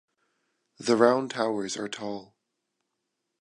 The round towers are tall.